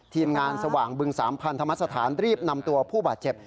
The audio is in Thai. ทีมงานสว่างบึงสามพันธรรมสถานรีบนำตัวผู้บาดเจ็บ